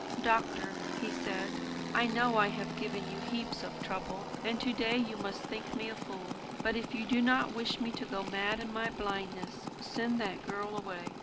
"Doctor," he said, "I know I have given you heaps of trouble, and to day you must think me a fool. But if you do not wish me to go mad in my blindness, send that girl away.